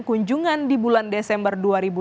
kunjungan di bulan desember dua ribu dua puluh